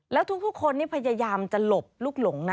แล้วทุกคนนี่พยายามจะหลบลูกหลงนะ